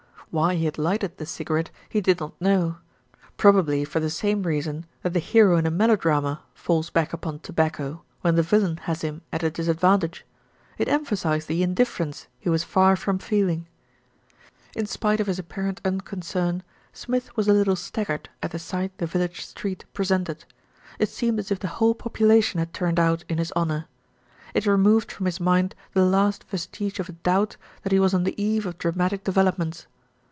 Why he had lighted the cigarette, he did not know; probably for the same reason that the hero in a melo drama falls back upon tobacco when the villain has him at a disadvantage. It emphasised the indifference he was far from feeling. In spite of his apparent unconcern, Smith was a little staggered at the sight the village street presented. It seemed as if the whole population had turned out in his honour. It removed from his mind the last vestige of doubt that he was on the eve of dramatic develop ments.